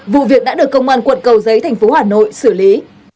vụ việc đã được công an quận cầu giấy tp hà nội xử lý